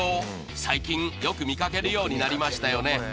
最近よく見かけるようになりましたよね？